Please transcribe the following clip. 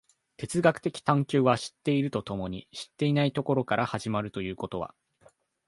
哲学的探求は知っていると共に知っていないところから始まるということは、